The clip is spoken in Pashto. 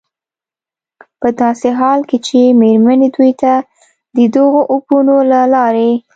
په داسې حال کې چې مېرمنې دوی ته د دغو اپونو له لارې